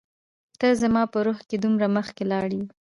ته زما په روح کي دومره مخکي لاړ يي